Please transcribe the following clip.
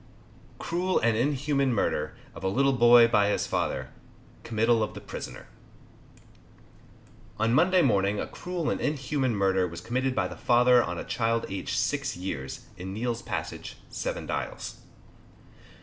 CRUEL AND INHUMAN MURDER Of a little Boy, by his Father. COMMITTAL OF THE PRISONER. On Monday morning a cruel and inhuman murder was committed by the father on a child aged six years, in Neal's passage, Seven Dials.